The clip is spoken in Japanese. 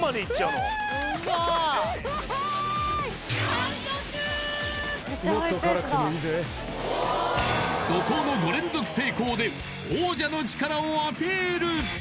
完食怒濤の５連続成功で王者の力をアピール